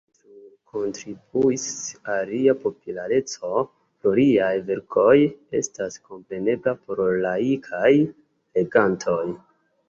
Ĉi-fakto kontribuis al lia populareco pro liaj verkoj estas komprenebla por laikaj legantoj.